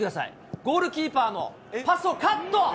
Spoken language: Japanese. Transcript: ゴールキーパーのパスをカット。